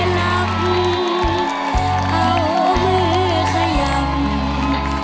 ขอบคุณค่ะ